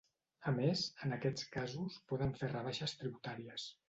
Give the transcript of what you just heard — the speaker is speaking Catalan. A més, en aquests casos poden fer rebaixes tributàries.